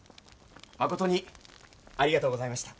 誠にありがとうございました。